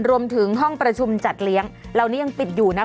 รวมถึงห้องประชุมจัดเลี้ยงเหล่านี้ยังปิดอยู่นะคะ